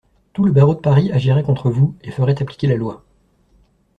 Tout le barreau de Paris agirait contre vous, et ferait appliquer la loi!